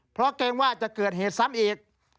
เพราะเกรงว่าจะเกิดเหตุซ้ำอีก